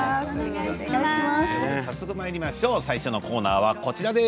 最初のコーナーはこちらです。